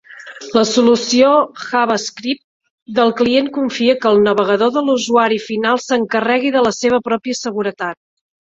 La solució JavaScript del client confia que el navegador de l'usuari final s'encarregui de la seva pròpia seguretat.